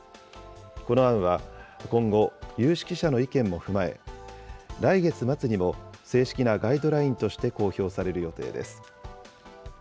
この案は今後、有識者の意見も踏まえ、来月末にも正式なガイドラインとして公表される予定です。